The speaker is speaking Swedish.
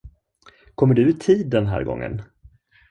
Kommer du i tid den här gången?